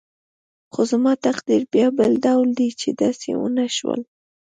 خو زما تقدیر بیا بل ډول دی چې داسې ونه شول.